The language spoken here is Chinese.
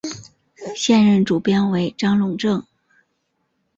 现任主编为张珑正。